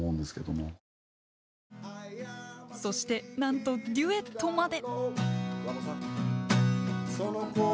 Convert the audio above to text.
そしてなんとデュエットまで！